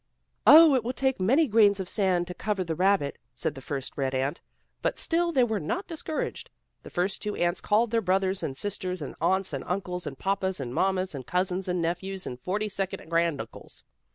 "Oh, it will take many grains of sand to cover the rabbit," said the first red ant, but still they were not discouraged. The first two ants called their brothers and sisters, and aunts, and uncles, and papas, and mammas, and cousins, and nephews, and forty second granduncles.